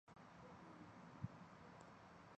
董鲁安早年就读于北京高等师范学校。